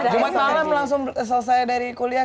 jumat malam langsung selesai dari kuliah